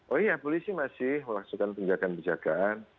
oh iya polisi masih melakukan penjagaan penjagaan